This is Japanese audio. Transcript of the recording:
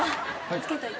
つけといて。